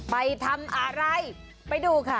ไปทำอะไรไปดูค่ะ